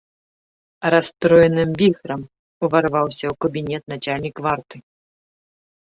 Расстроеным віхрам уварваўся ў кабінет начальнік варты.